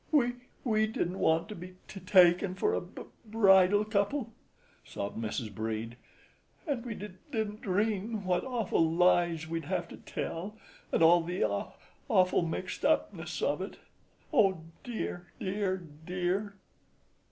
"W W W We didn't want to be t t taken for a b b b b bridal couple," sobbed Mrs. Brede; "and we d d didn't dream what awful lies we'd have to tell, and all the aw awful mixed up ness of it. Oh, dear, dear, dear!"